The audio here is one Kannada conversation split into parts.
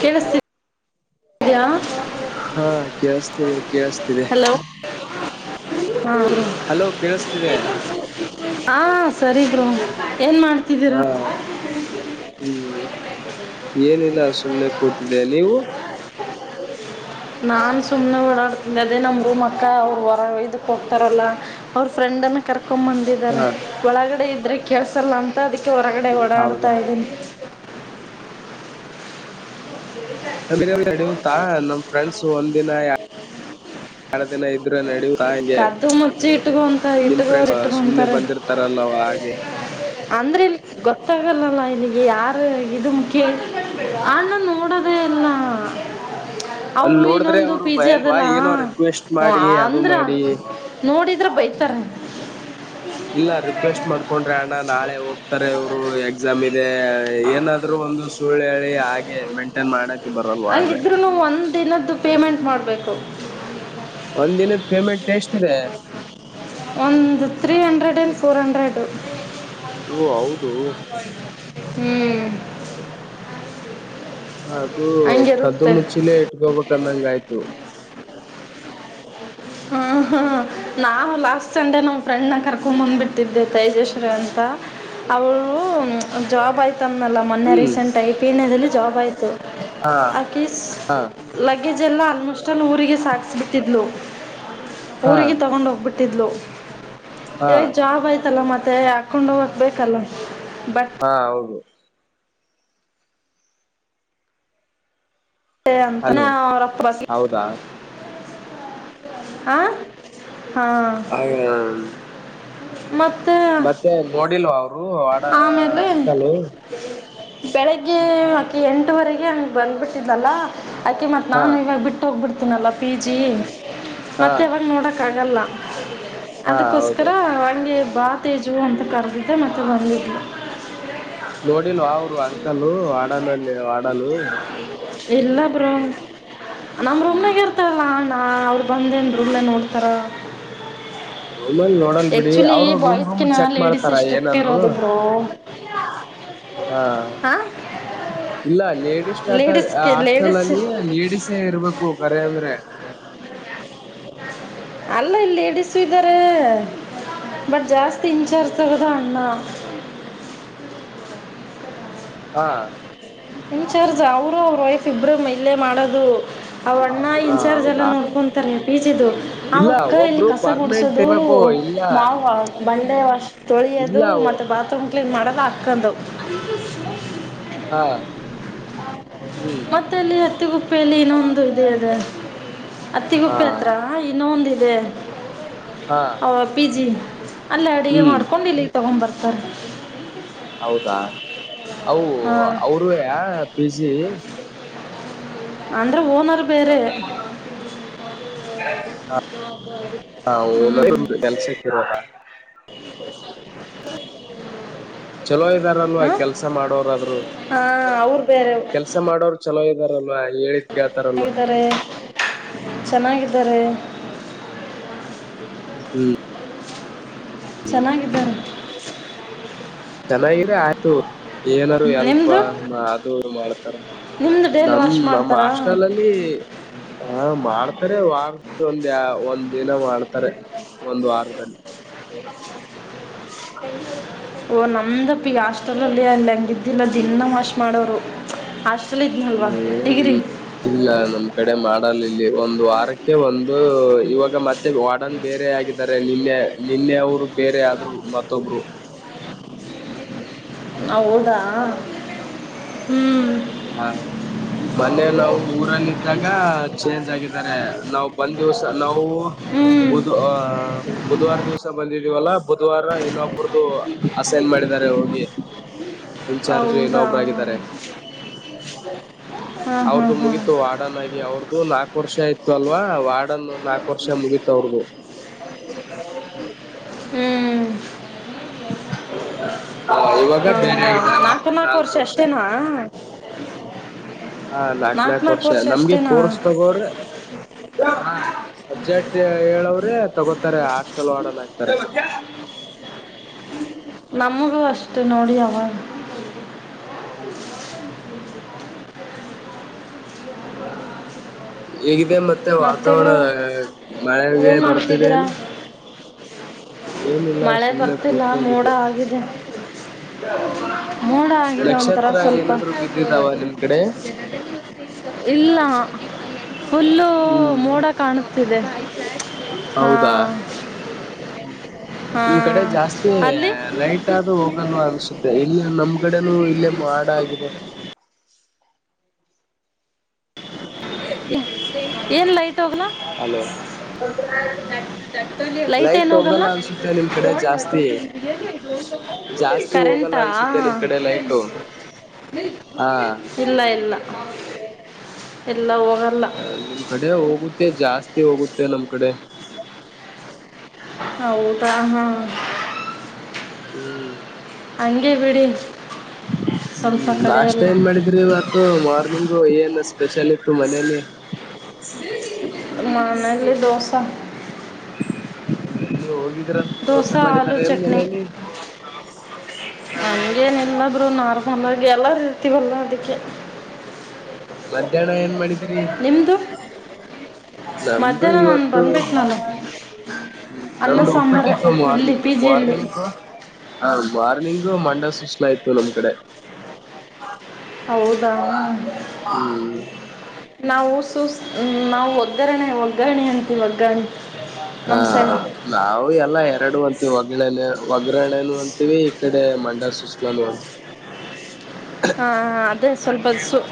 ಕೆಳಸತ್ತಿ [unintelligible] ದಿಯಾ ಹಾ ಕೇಳಿಸ್ತಿದೆ ಕೇಳಿಸ್ತಿದೆ ಹಲೋ [unintelligible] ಹಲೋ ಕೇಳಿಸ್ತಿದೆ ಹಾ ಸರಿ ಬ್ರೋ ಏನ್ ಮಾಡ್ತ ಹಾ ಹ್ಮ್ ಏನಿಲ್ಲ ಸುಮ್ಮನೆ ಕೂತಿದ್ದೆ ನೀವು [inaudible] ನಾನ್ ಸುಮ್ನೆ ಓಡಾಡ್ತಿದ್ದ ಅದೇ ನಮ್ಮ ರೂಮ ಅಕ್ಕ ಅವರು ಹೊರ ಇದ್ದಕ್ ಹೋಗ್ತಾರಲ್ಲ ಅವ್ರ ಫ್ರೆಂಡನ್ನ ಕರ್ಕೊಂಡ್ ಬಂದ ಇದಾರೆ ಹಾ ಒಳಗಡೆ ಇದ್ರೆ ಕೆೇಳಸಲ್ಲ ಅಂತ ಅದಕ್ಕೆ ಹೊರಗಡೆ ಓಡಾಡ್ತಾ ಹೌದಾ ಇದ್ದೀನಿ [unintelligible] ನಡಿಯುತ್ತಾ ನಮ್ ಫ್ರೆಂಡ್ಸ ಒಂದಿನ ಎರಡ ಇದ್ರ ನಡಿಯುತ್ತಾ ಹಂಗೆ ಕದ್ದು ಮುಚ್ಚಿ ಇಟ್ಕೊ ಅಂತ ನಿಮ್ ಇಟ್ಕೋರು ಫ್ರೆಂಡ್ ಸುಮ್ನೆ ಇಟ್ಕೊಂತಾರೆ ಬಂದಿರ್ತ ತರಲ್ಲಾವ ಹಾಗೆ ಅಂದ್ರಿಲ್ಲಿ ಗೊತ್ತಾಗಲ್ಲಲ್ಲ ಇಲ್ಲಿಗಿ ಯಾರ ಇದು ಮುಖ್ಯ ಆ ಅಣ್ಣ ನೋಡದೇ ಇಲ್ಲ ಅಲ್ ಅವರು ನೋಡಿದ್ರೆ ಇನ್ನೊಂದು ಅವರು ಪಿ ಜಿ ಬಯಲ್ವಾ ಅದಲ್ಲ ಏನೋ ರಿಕ್ವೆಸ್ಟ್ ಮಾಡಿ ಅದು ಮಾಡಿ ನೋಡಿದ್ರ ಬೈತಾರ ಇಲ್ಲ ರಿಕ್ವೆಸ್ಟ್ ಮಾಡ್ಕೊಂಡ್ರೆ ಅಣ್ಣ ನಾಳೆ ಹೋಗ್ತಾರೆ ಅವ್ರು ಎಕ್ಸಾಮ್ ಇದೆ ಏನಾದ್ರು ಒಂದು ಸು ಸುಳ್ಳ ಹೆಳಿ ಹಾಗೆ ಮೇಂಟೈನ್ ಮಾಡಕ ಬರಲ್ವ ಅಲ್ಲೇ ಹಂಗಿದ್ರೂ ಒಂದು ದಿನದ್ದು ಪೇಮೆಂಟ್ ಮಾಡಬೇಕು. ಒಂದ್ ದಿನದ ಪೇಮೆಂಟ್ ಎಷ್ಟಿದೆ. ಒಂದ್ ತ್ರೀಹಂಡ್ರೆಡ್ ಅಂಡ್ ಫೋರ್ ಹಂಡ್ರೆಡು. ಓ ಹೌದು ಹ್ಮ್ಮ್. ಅದು ಕದ್ದು ಹಂಗಿರುತ್ತೆ ಮುಚ್ಚಿಲೆ ಇಟ್ಕೋಬೇಕಂದಂಗ ಆಯ್ತು. ಹಾ ಹ್ಮ ನಾವ ಲಾಸ್ಟ್ ಸಂಡೆ ನಮ್ಮ ಫ್ರೆಂಡ್ನ ಕರ್ಕೊಂಡ್ ಬಂದ್ಬಿಟ್ಟಿದ್ದೆ ತೈಜಶ್ರೀ ಅಂತ ಅವಳ್ನು ಜಾಬ್ ಆಯ್ತು [unintelligible] ನಲ್ಲ ಮೊನ್ನೆ ಹ್ಮ್ recent I P N job ಆಯ್ತು ಹಾ ಆಕಿ ಸ್ ಹಾ ಲೈಕ್ ಲಗೇಜೆಲ್ಲ ಆಲ್ಮೋಸ್ಟಾಲ್ ಊರಿಗೆ ಸಾಗಿಸ್ಬಿಟ್ಟಿದ್ಲು. ಹಾ ಊರಿಗೆ ತಗೊಂಡ್ ಹೋಗ್ಬಿಟ್ಟಿದ್ಲು ಹಾ ಇವಾಗ್ ಜಾಬ್ ಆಯ್ತ [unintelligible] ತಲ್ಲ ಮತ್ತೆ ಹಾಕೊಂಡು ಹೋಗಕ್ ಬೆಕಲ್ಲ ಬಟ್ ಹಾ ಹೌದು. ಅಂತಾನೇ ಹಲೋ ಅವರಪ್ಪ [unintelligible] ಹೌದಾ ಹಾ. [unintelligible] ಮತ್ತ ಏ ನೋಡಿಲ್ಲೊ ಅವರು. ಆಡ ಆಮೇಲೆ ಅಂಕಲು ಬೆಳಗ್ಗೆ ಅಕಿ ಎಂಟವರೆಗೆ ಹಂಗ ಬಂದ್ಬಿಟ್ಟಿದ್ದಲ್ಲ ಅಕಿ ಮತ್ ಹಾ ನಾನು ಇವಾಗ ಬಿಟ್ಟೋಗ್ಬಿಡ್ತೀನಲ್ಲ ಪಿ ಜಿ ಹಾ ಮತ್ತೇ ಬಂದ್ ನೋಡಕ್ ಆಗಲ್ಲ. ಹಾ ಹೌದು ಅದಕ್ಕೋಸ್ಕರ ಹಂಗೆ ಬಾ ತೇಜು ಅಂತ ಕರೆದಿದ್ದೆ ಮತ್ತೆ ಬಂದಿದ್ಲು. [inaudible] ನೋಡಿಲ್ವಾ ಅವರು ಅಂಕಲೂ ವಾಡನಲ್ಲಿ ವಾಡನ್ನು ಇಲ್ಲ ಬ್ರೋ ನಮ್ಮ ರೂಮ್ನಾಗ ಇರ್ತ [unintelligible] ಅಣ್ಣ ಅವ್ರು ಬಂದೇನ್ ರೂಮ್ನ್ಯಾಗ ನೋಡ್ತಾರ. ರೋಮನ್ [inaudible] ಯಾಚ್ಚೋಲಿ ಬಾಯ್ಸ್ಕಿನ ಲೇಡಿಸ್ ಸ್ಟ್ರಿಕ್ ಏನಾದ್ರು ಇರೊದು ಬ್ರೊ. ಹ್ಮಾ ಇಲ್ಲ ladies start ladies hostel ladies ಅಲ್ಲಿ ಲೇಡೀಸೇ ಇರ್ಬೇಕು ಕರೆ ಅಂದ್ರೆ ಅಲ್ಲ ಇಲ್ಲಿ ಲೇಡೀಸು ಇದ್ದಾರೇ ಬಟ್ ಜಾಸ್ತಿ ಇನ್ಚಾರಸಗದ ಅ್ಣ ಹಾ. ಇನ್ಚಾರ್ಜ ಅವರು ಅವ್ರ ವೈಫ್ ಇಬ್ರು ಮೈ ಇಲ್ಲೇ ಮಾಡೋದು. ಅವಣ್ಣ ಹಾ ಇನ್ಚಾರ್ಜ್ ಎಲ್ಲ ಹೌದಾ ನೋಡ್ಕೊಂತಾರೆ ಪಿಚಿದು. ಇಲ್ಲ ಆವಕ್ಕ ಇಲ್ಲಿ ಒಬ್ರು ಪರ್ಮನೆಂಟ್ ಕಸಗುಡಾಸದು ಇರ್ಬೇಕು ಇಲ್ಲ ಮಾವ ಬಂಡೆ ವಸ್ಟ ಇಲ್ಲ ತೊಳಿಯೋದು ಮತ್ತೆ ಬಾತ್ರೂಮ್ ಕ್ಲೀನ್ ಮಾಡದು ಅಕ್ಕಂದು ಹಾ. ಹ್ಮ್ ಮತ್ತಲ್ಲಿ ಹತ್ತಿಗುಪ್ಪೆಯಲ್ಲಿ ಇನ್ನೊಂದು ಇದಿ ಅದೆ ಹಾ ಹತ್ತಿಗುಪ್ಪಿ ಹತ್ರ ಇನ್ನೊವಂದ ಇದೆ. ಹಾ. ಪಿ ಜಿ ಅಲ್ಲ ಅಡುಗೆ ಹ್ಮ್ ಮಾಡ್ಕೊಂಡು ಇಲ್ಲಿಗ್ ತಗೊಂಡ್ ಬರ್ತಾರೆ ಹೌದಾ ಅವು ಹಾಂ ಅವರು ಯ ಪಿ ಜಿ ಅಂದ್ರೆ ಓನರ್ ಬೇರೆ ಹ ಹ ಹ್ಞೂ ಕೆಲ್ಸ ಇತ್ತು [unintelligible] ಚಲೋ ಇದಾರಲ್ವಾ ಹಾಂ ಕೆಲ್ಸ ಮಾಡೋರಾದ್ರು ಹಾಂ ಕೆ ಅವ್ರು ಬೇರೆ ಕೆಸ ಮಾಡೋರು ಚಲೋ ಇದಾರಲ್ವಾ ಹೇಳಿದ್ ಕೇಳ್ತಾರಲ್ವಾ ಹರೇ ಚೆನ್ನಾಗಿದ್ದಾರೆ ಹ್ಮ್ ಚೆನ್ನಾಗಿದ್ದಾರೆ ಚೆನ್ನಾಗೀದ್ರೆ ಆಯ್ತು ಏನಾರರು ಎಲ್ಪ ನಿಮ್ಮದು ಅದು ಮಾಡ್ತಾರ ನಿಮ್ಮದು ಡೈಲಿ ನಮ ವಾಶ್ ನಮ್ಮ್ ಮಾಡ್ತಾರಾ ಆಸ್ಟಲ್ಲ್ಲಿ ಹ ಮಾಡ್ತಾರೆ ವಾರ್ ಒಂದ ಒಂದ್ ದಿನ ಮಾಡ್ತ ಅರೆ ಒಂದು ವಾರದಲ್ಲಿ ಹ [unintelligible] [unintelligible] ಓ ನಮ್ದಪ್ಪ ಈಗ ಹಾಸ್ಟೆಲ್ಲ್ಲಿ ಅಲ್ಲಿ ಹಂಗ ಇದ್ದಿಲ್ಲ ದನ್ನ ವಾಶ್ ಮಾಡೋರು ಚಲ ಇದಿದನಲ್ವಾ ಡಿಗಿರಿ ಹ್ಮ್ ಇ ನಮ್ ಕಡೆ ಮಾಡಲ್ ಇಲ್ಲಿ ಒಂದು ವಾರಕ್ಕೆ ಒಂದು ಇವಾಗ ಮತ್ತೆ ವಾಡನ್ ಬೇರೆ ಆಗ ಅಂದರೆ ಇಲ್ಲೇ ನಿನ್ನೆ ನಿನ್ನೆ ಅವರು ಬೇರೆ ಆದ್ರು ಮತ್ತೊಬ್ರು ಹ ಹೌದಾ ಹ್ಮ್ ಹಾ ಮನ್ನೆ ನಾವು ಊರಲ್ಲಿ ಇದ್ದಾಗ ಚೇಂಜ್ ಆಗಿದಿದ್ದಾರೆ ನಾವವು ಬಂದ್ ದಿವ್ಸ ನಾವು ಹ್ಞೂ ಹೌದು ಆ ಬುಧವಾರ ದಿವ್ಸ ಬಂದಿದೀವಲ್ಲ ಬುಧವಾರ ಇನ್ನೊಬ್ಬರದು ಅಸೈನ್ ಮಾಡಿದಿದ್ದಾರೆ ಹೋಗಿ ಇನ್ನು ಚಾರ್ಜ್ ಹೌದಾ ಇನ್ನೊಬ್ರು ಆಗಿದ್ದಾರೆ ಹಾಂ ಹಾಂ ಅವ್ರ್ದು ಹಾಂ ಮುಗೀತು ಆ ವಾರ್ಡನ್ ಆಗಿ ಅವ್ರದದುು ನಾಕಕ್ ವರ್ಷ ಆಯ್ತ ಅಲ್ವ ವಾರ್ಡನ್ ನಾಕಕ್ ವರ್ಷ ಮುಗೀತ ಅವ್ರದುು ಹ ಹ್ಮ್ [inaudible] ಹ ಇವಾಗ ಬೇರೆ ಆ ಮತ್ತೆ ನಾಲ್ಕು ವರ್ಷ ಹಾ ನಾಕ್ ನಾಲ್ಕು ನಾಕ ನಾಲ್ಕು ವರ್ಷ ನಮ್ಗೆ ಅಷ್ಟೇನಾ ಪೋರ್ಸ್ ತಗೋರ ಹಾ ಸಬ್ಜೆಕ್ಟ್ ಹೇಳವ್ರೆ ತಗೋತಾರೆ ಹಾಸ್ಟೆಲ್ ಆಡಲ್ ಹಾಕ್ತಾರೆ ನಮಗೂ ಅಷ್ಟು ನೋಡಿ ಅವಾಗ ಹ್ಮ್ ಹ ಹೇಗಿದೆ ಮತ್ತೆ ವಾತಾವರಣ ಮಳೆಗೆ ಗಿಳೆ ಏನು ಬರ್ತಿದೆ ಮಾಡ್ತಿದ್ದೀರಾ ಏನು ಏನಿಲ್ಲ ಮಳೆ ಸುಮ್ಮ್ನೆ ಬರ್ತಿಲ್ಲ ಮೋಡ ಕೂತ್ಕೊಂಡಿದ್ದೆ ಆಗಿದೆ ಹ ಮೋಡ ಆಗಿದೆ ಒಂಥರ ನಕ್ಷತ್ರ ಸ್ವಲ್ಪ ಏನಾದ್ರು ಬಿದ್ದಿದ್ದಾವ ನಿಮ್ ಕಡೆ ಇಲ್ಲ ಫುಲ್ಲು ಹ್ಮ್ ಮೋಡ ಕಾಣತಿದೆ ಹಾ ನಿ ಕಡೆ ಜಾಸ್ತಿ ಅಲ್ಲಿ ಲೈಟ್ ಟ್ಟಾದದು ಹೋಗಲ್ವಾ ಅನ್ಸುತ್ತೆ ಇಲ್ಲ ನಮ್ ಕಡೆನುೂ ಇಲ್ಲಮೋಡ ಆಗಿದೆ ಏನ್ ಲೈಟ್ ಹೋಗನ ಹಲೋ ಲೈಟ್ ಏನು ಹೋಗಲ್ಲ ಅನ್ಸುತ್ತೆ ನಿಮ್ ಕಡೆ ಜಾಸ್ತಿ ಜಾಸ್ತಿ ಹೋಗಲ್ಲ ಕರೆಂಟಾ ಅನ್ಸುತ್ತೆ ನಿಮ್ ಕಡೆ ಲೈಟು ಹಾ ಇಲ್ಲ ಇಲ್ಲ ಎಲ್ಲ ಹೋಗ ಹ ನಮ್ ಕಡೆ ಹೋಗುತ್ತೆ ಜಾಸ್ತಿ ಹೋಗುತ್ತೆ ನಮ್ ಕಡೆ ಹೌದ ಹ್ಮ ಹ್ಮ್ ಅಂಗೇ ಬಿಡಿ ಸ್ವಲ್ಪ ಹ್ಮ್ ಕಡೆ ನಾಷ್ಟ ಎಲ್ಲ ಏನ್ ಮಾಡಿದ್ರಿ ಇವತ್ತು ಮಾರ್ನಿಂಗು ಏನ್ ಸ್ಪೆಷಲ್ ಇತ್ತು ಮನೇಲಿ ಮನಲ್ಲಿ ದೋಸಾ ಎಲ್ಲಿ ಹೋಗಿದ್ರಂತ ದೋಸೆ ಮಾಡಿದಿದ್ದಾರೆ ಎನ್ ಮನೇಲಿ ಹಂಗೇನೆ ಎಲ್ಲಾದ್ರು ನಾರ್ಮಳಗಿ ಎಲ್ಲಾರ ಇರ್ತೀವಲ್ಲ ಅದಕ್ಕೆ ಮಧ್ಯಾಹ್ನ ಏನ್ ಮಾಡಿದ್ರಿ ನಿಮದುು ನಮ್ದು ಇವತ್ತು ಹ್ಮ ಅನ್ನ ನಮ್ದ ಸಾಂಬಾರೇ ಉಪ್ಪಿಟ್ಟಿಪ್ಪ ಇಲ್ಲಿ ಮಾರ್ನಿಂಗ್ ಪಿ ಜಿಯಲ್ಲಿ ಮಾರ್ನಿಂಗ್ ಹ ಮಾರ್ನಿಂಗು ಮಂಡ್ಯ ಸುಸ್ಲಯ್ತು ನಮ್ ಕಡೆ ಹೌದಾ ಹ್ಮ್ ನಾವು ಸು ನಾವು ಒಗ್ಗರಣೆ ಒಗ್ಗರಣೆ ಅಂತೀವಿ ಒಗ್ಗರಣ ಹ್ಮ ನಾವವು ಎಲ್ಲ ಎರಡು ಅಂತೀವಿ ಒಗ್ಗರಣೆನು ಅಂತೀವಿ ಈ ಕಡೆ ಮಂಡಳ ಸುಸ್ಲನು ಅಂತವಿ ಹ ಅದೇ ಸ್ವಲ್ಪ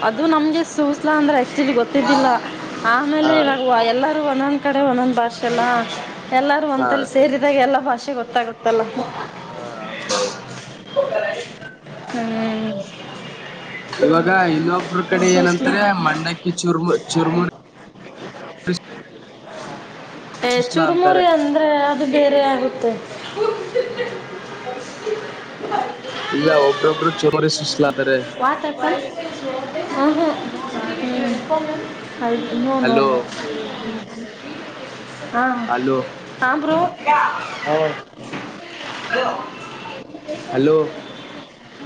ಅದು ನಮ್ಗೆ ಸೂಸ್ಲ ಅಂದರೆ ಆ್ಯಕ್ಚುಲಿ ಗೊತ್ತಿದ್ದಿಲ್ಲ ಹಾ ಆಮೇಲೆ ಇವಾಗ ಎಲ್ಲರೂ ಒಂದೊಂದು ಕಡೆ ಒಂದೊಂದ್ ಭಾಷೆಲ್ಲಾ ಎಲ್ಲಾರೂ ಹಾ ಒಂದಲ್ಲಿ ಸೇರಿದಾಗ ಎಲ್ಲಾ ಭಾಷೆ ಗೊತ್ತಾಗುತ್ತೆ ಹಾ ಹೌದುದು ಹ್ಮ್ ಇವಾಗ ಇನ್ನೊಬ್ರ ಕಡೆ ಸೂಸ್ಲ ಏನಂದ್ರೆ ಮಂಡಕ್ಕಿ ಚುರ್ಮು ಚುರ್ಮು ಏ ಸುಸ್ಲಾ ಚುರುಮುರಿ ಅಂತಾರೆ ಅಂದ್ರೆ ಅದು ಬೇರೆ ಆಗುತ್ತೆ ಇಲ್ಲ ಒಬ್ರೊಬ್ರು ಚುರಮುರ್ ಸುಸ್ಲಾತಾರೆ ಹ್ಮ್ ಹ್ಮ ಹಲೋ [unintelligible] ಅಲೋ ಹಾಂ ಬ್ರೋ ಹ ಹಲೋ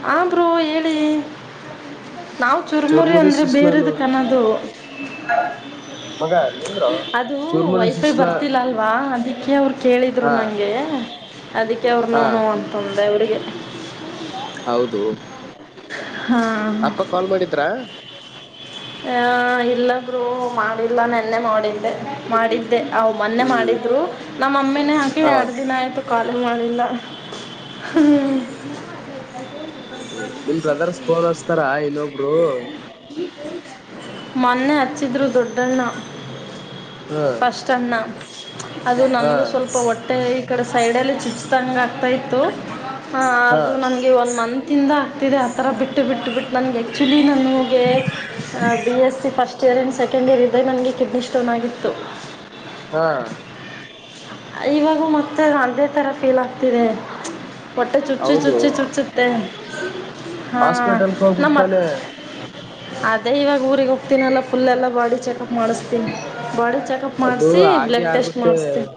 ಹಾ ಬ್ರೋ ಹೇಳಿ ನಾವು ಚುರ್ಮುರಿ ಅಂದ್ರೆ ಬೇರೆದ ಕನ್ನೋದು ಮಗ ಅದು ಚೂರ್ಮುರಿ ವೈಫೈ ಸುಸ್ಲ ಬರ್ತಿಲ್ಲ ಅಲ್ವಾ ಅದಕ್ಕೆ ಅವ್ರು ಕೇಳಿದ್ರು ಹಾ ನಂಗೆ ಅದಿಕ್ಕೆ ಹಾ ಅವರ್ನೋನು ಅಂತ ಅಂದೆ ಹೌದು ಹಾ ಅಪ್ಪ ಕಾಲ್ ಮಾಡಿದ್ರಾ ಹ ಇಲ್ಲ ಬ್ರೋ ಮಾಡಿಲ್ಲ ನೆನ್ನೆ ಮಾಡಿದ್ದೆ ಮಾಡಿದ್ದ ಮೊನ್ನೆ ಹ್ಮ್ ಮಾಡಿದ್ರು ನಮ್ಮ ಮ ಮ್ಮಿನೇ ಹಾಕಿ ಹಾ ಎರಡು ದಿನ ಆಯ್ತು ಕಾಲ ಮಾಡಿಲ್ಲ ಹ್ಮ್ ಹೌದು ನಿಮ್ ಬ್ರದರ್ಸ್ ಪೋನ್ ಹಸ್ತಾರ ಇನ್ನೊಬ್ರು- ಮನ್ನೆ ಹಚ್ಚಿದ್ರೂ ದೊಡ್ಡಣ್ಣ. ಹ್ ಷ್ಟನ್ನ ಅದು ನನಗೆ ಸ್ವಲ್ಪ ಹೊ ಮತ್ತೆ ಈ ಕಡೆ ಸೈಡ ಅಲ್ಲಿ ಚುಚ್ಚುದಂಗೆ ಆಗ್ತಾ ಇತ್ತು ಹಾ ಅದು ನಂಗೆ ಒಂದು ಮಂತ್ ತಿಂದ ಆಗ್ತಿದೆ ಆ ತರ ಬಿಟ್ಟು ಬಿಟ್ಟು ಬಿಟ್ಟು ನನಗೆ ಆಕ್ಚುಲಿ ನಾನ್ ಗೆ B S C first year and second year ಇದ್ದಾಗ ನನಗೆ ಕಿಡ್ನಿ ಸ್ಟೋನ್ ಆಗಿತ್ತು. ಹ ಇವಾಗೂ ಮತ್ತೆ ಅದೇ ತರ ಫೀಲ್ ಆಗ್ತಿದೆ. ಹೊಟ್ಟೆ ಚುಚ್ಚು ಹೌದು ಚುಚ್ಚಿ ಚುಚ್ಚುತ್ತೆ ಹಾ ಹಾಸ್ಪಿಟಲ್ಗೆ ನಮ್ ಹೋಗ್ಬಿಡ್ತಾನೆ ಅದೇ ಇವಾಗ ಊರಿಗ್ ಹೋ ತಿನಲ್ಲ ಪುಲ್ ಎಲ್ಲಾ ಬಾಡಿ ಚೆಕಪ್ ಮಾಡಿಸ್ತೀನಿ ಬಾಡಿ ಚೆಕಪ್ ಅದು ಮಾಡಿಸಿ ಹಾಗೆ ಬ್ಲಾಡ್ ಟೆಸ್ಟ್ ಆಗುತ್ತೆ ಮಾಡಿಸ್ತೀನಿ.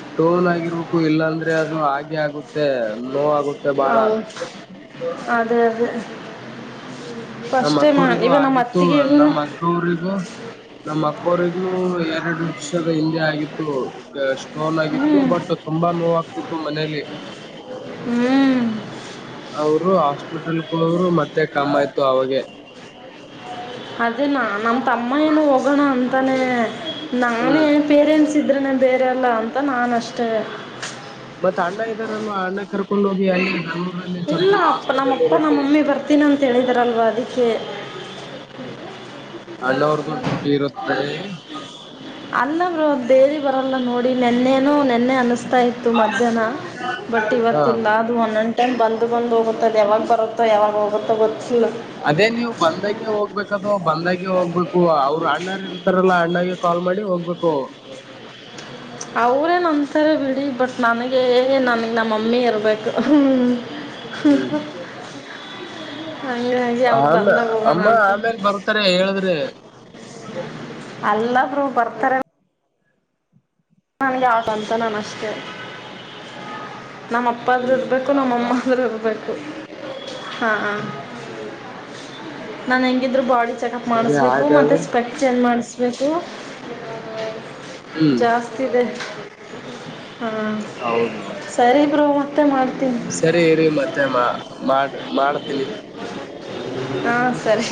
ಸ್ಟೋನ್ ಆಗಿರ್ಬೇಕು ಇಲ್ಲಾಂದ್ರೆ ಅದು ಹಾಗೆ ಆಗುತ್ತೆ ನೋವ್ ಆಗು ಹೌ- ಅದೇ ಅದೇ ಫಸ್ಟ್ ಟೈಮಾ ಇವಾಗ್ ನಮ್ ಅತ್ತಿಗೆಗೂನು ಅವರಿಗೂ ನಮ್ ಅಕ್ಕವ್ರಗೂ ಎರಡು ವರ್ಷದ ಹಿಂದೆ ಆಗಿತ್ತು. ಎಸ್ ಸ್ಟೋನ್ ಆಗಿತ್ತು ಹ್ಞೂ ಬಟ್ ತುಂಬಾ ನೋವು ಆಗ್ತಿತ್ತು ಮನೇಲ್ಲಿ ಹ್ಮ ಅವರು [unintelligible] ಮತ್ತೆ ಕಮ್ಮ್ ಆಯ್ತು ಅವಾಗೆ ಅದೇನಾ ನಮ್ಮ ತಮ್ಮ ಏನು ಹೋಗೋಣ ಅಂತಾನೆ ನಾನೇ ಹ್ಮ್ ಪೇರೆಂಟ್ಸ್ ಇದ್ರನೆ ಬೇರೆಲ್ಲಾ ಅಂತ ನಾನಷ್ಟೇ ಮತ್ ಅಣ್ಣ ಇದಾರಲ್ವಾ ಅಣ್ಣ ಕರ್ಕೊಂಡ್ ಹೋಗಿ [unintelligible] ಬೆಂಗಳೂರ್ ಇಲ್ಲ ಅಪ್ಪ ನಮ್ಮಪ್ಪ ನಮ್ಮಮ್ಮಿ ಬರ್ತೀನಿ ಅಂತೇಳಿದರಲ್ವಾ ಅದಿಕ್ಕೆ ಹ್ಮ್ ಅಣ್ಣ ಅವರದೂ ಡ್ಯೂಟಿ ಇರುತ್ತೆ. ಅಲ್ಲ ಬ್ರೊ ದೇವಿ ಬರಲ್ಲ ನೋಡಿ ನೆನ್ನೆನೂ ನೆನ್ನೆ ಅನಿಸ್ತಾ ಇತ್ ತ್ತ್ ಮಧ್ಯಾಹ್ನ ಬಟ್ ಹಾ ಇವತ್ತಿಲ್ಲ. ಒಂದೊಂದ್ ಟೈಮ್ ಬಂದ್ ಬಂದು ಹೋಗುತ್ತೊ ಯಾವಾಗ ಬರತ್ತೋ ಯಾವಾಗ ಹೋಗುತ್ತೂ ಗೊತ್ತಿಲ್ಲ. ಅದೇ ನೀವು ಬಂದಾಗೆ ಹೋಗ್ಬೇಕು ಅದು ಬಂದಾಗೆ ಹೋಗ್ಬೇಕು ಅವ್ರು ಅಣ್ಣಾರ್ ಇರ್ತಾರಲ್ಲಾ ಅಣ್ಣಾಗ್ ಕಾಲ್ ಮಾಡಿ ಹೋಗ್ಬೇಕು. ಅವರೇನೂ ಒಂತ್ತಾರ ಬಿಡಿ ಬಟ್ ನನಗೆ ನನ್ಗ್ ನಮ್ಮಮ್ಮಿ ಇರ್ಬೇಕು‌. ಹ್ಮ್ ಹೂ. ಹ್ಮ್ ಹಂಗಾಗಿ ಅವರು ಆಮೇ ಬಂದಾಗ ಹೋಗೋಣ ಅಮ್ಮ ಅಂತ. ಆಮೇಲ್ ಬರ್ತಾರೆ ಹೇಳಿದ್ರೆ ಅಲ್ಲಾ ಬ್ರೊ ಬರ್ತಾರ ನನ್ಗೆ [unintelligible] ನನ್ ಅಷ್ಟೆ ನಮ್ಮ ಅಪ್ಪಗೂ ದುಡ್ ಹ್ಮ್ ಬೇಕ್ ಹೌದಾ ನಮ್ಮಗೂ ದುಡ್ ಬೇಕು ಹಾ ಹಾ [unintelligible] ನಾನ್ ಹೆಂಗಿದ್ರು ಬಾಡಿ ಚೆಕ್ಪ್ ಸರಿ ಮಾಡಿಸ್ಬೇಕು ಮತ್ತೆ ಹಾಗಾದ್ರೆ ಸ್ಪೆಕ್ ಚೆಂಜ್ ಮಾಡಿಸ್ಬೇಕು ಹ್ಮ್ ಜಾಸ್ತ್ ಇದೆ ಹಾ ಹೌದು ಸರಿ ಬ್ರೋ ಮತ್ತೆ ಮಾಡ್ತೀನಿ. ಸರಿ ಇರೀ ಮತ್ತೆ ಮಾ ಮಾಡರ್ ಮಾಡ್ತೀನಿ. ಹಾ ಸರಿ